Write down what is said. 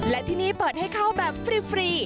และที่นี่เปิดให้เข้าแบบฟรี